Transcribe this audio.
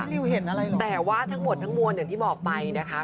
ริวเห็นอะไรเลยแต่ว่าทั้งหมดทั้งมวลอย่างที่บอกไปนะคะ